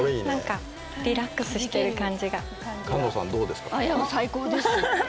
何かリラックスしてる感じが。